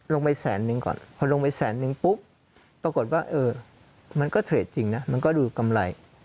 ไปแสนนึงก่อนพอลงไปแสนนึงปุ๊บปรากฏว่าเออมันก็เทรดจริงนะมันก็ดูกำไร